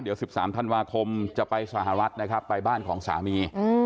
เดี๋ยว๑๓ธันวาคมจะไปสหรัฐนะครับไปบ้านของสามี